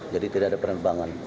jadi tidak ada penerbangan